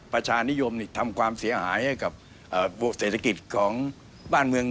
ประชานิยมทำความเสียหายให้กับเศรษฐกิจของบ้านเมือง